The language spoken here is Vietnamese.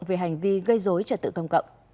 về hành vi gây dối tài sản